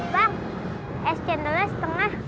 bang es jendolnya setengah